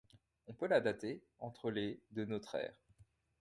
On peut la dater entre les de notre ère.